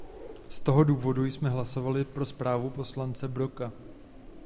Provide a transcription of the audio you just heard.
Z toho důvodu jsme hlasovali pro zprávu poslance Broka.